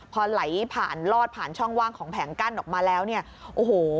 พอไหลผ่านลอดผ่านช่องว่างของแผงกั้นออกมาแล้วเนี่ยโอ้โห